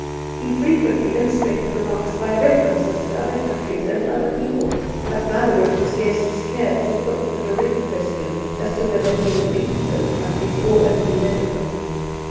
He frequently illustrated remarks by references to other countries and other people, but neither of his guests cared to put the direct question as to whether he had been to those , countries or only read of them.